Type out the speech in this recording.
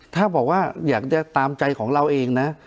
ถ้าบอกว่าอยากจะตามใจของเราเองนะ